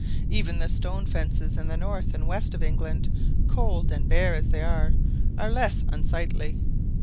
Even the stone fences in the north and west of England, cold and bare as they are, are less unsightly.